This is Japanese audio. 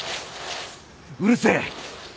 うるせえ！